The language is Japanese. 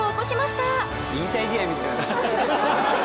引退試合みたいだな。